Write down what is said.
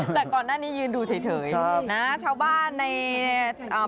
แต่ก่อนหน้านี้ยืนดูเฉย